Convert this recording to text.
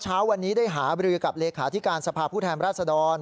เช้าวันนี้ได้หาบริวิวภาพีคัติการสภาผู้แถมรัฐศดร